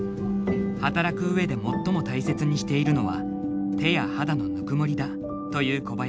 働く上で最も大切にしているのは手や肌のぬくもりだという小林さん。